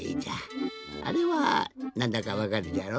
あれはなんだかわかるじゃろ？